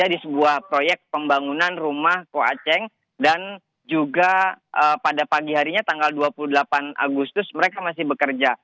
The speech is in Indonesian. di sebuah proyek pembangunan rumah ko aceh dan juga pada pagi harinya tanggal dua puluh delapan agustus mereka masih bekerja